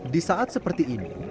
di saat seperti ini